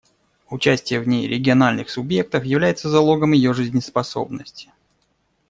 Участие в ней региональных субъектов является залогом ее жизнеспособности.